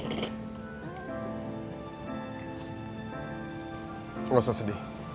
lo gak usah sedih